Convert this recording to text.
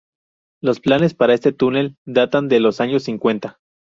Los planes para este túnel datan de los años cincuenta.